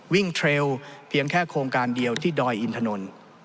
เทรลเพียงแค่โครงการเดียวที่ดอยอินทนนท์